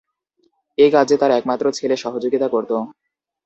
এ কাজে তার একমাত্র ছেলে সহযোগিতা করত।